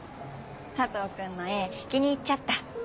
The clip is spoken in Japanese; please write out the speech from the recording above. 佐藤君の絵気に入っちゃった。